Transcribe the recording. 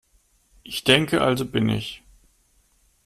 Ich denke, also bin ich.